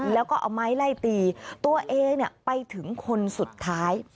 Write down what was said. แล้วก็เอาไม้ไล่ตีตัวเองไปถึงคนสุดท้าย